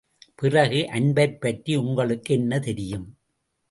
பிறகு அன்பைப் பற்றி உங்களுக்கு என்ன தெரியும்?